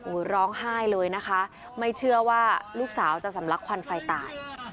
ร้องไห้เลยนะคะไม่เชื่อว่าลูกสาวจะสำลักควันไฟตาย